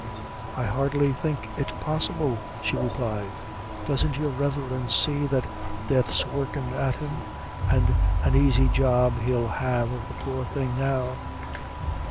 "I hardly think it possible," she replied; "doesn't your reverence see that death's workin' at him and an' aisey job he'll have of the poor thing now."